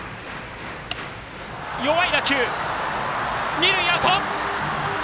二塁アウト！